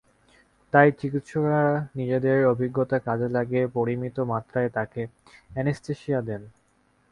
তাই চিকিৎসকেরা নিজেদের অভিজ্ঞতা কাজে লাগিয়ে পরিমিত মাত্রায় তাকে অ্যানেসথেসিয়া দেন।